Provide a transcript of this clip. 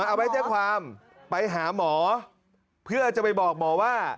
เอาไว้แจ้งความไปหาหมอเพื่อจะไปบอกหมอว่า